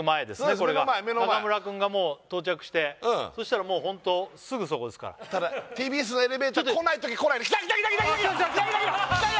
これがうん目の前目の前中村君がもう到着してそしたらもうホントすぐそこですからただＴＢＳのエレベーター来ないとき来ない来た来た来た来た来た来た！来た来た来た！